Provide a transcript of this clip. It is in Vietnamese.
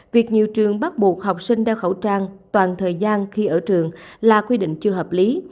việc nhiều trường bắt buộc học sinh đeo khẩu trang toàn thời gian khi ở trường là quy định chưa hợp lý